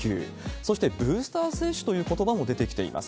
そしてブースター接種ということばも出てきています。